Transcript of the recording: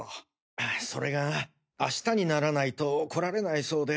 あそれが明日にならないと来られないそうで。